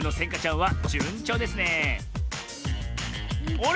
あれ？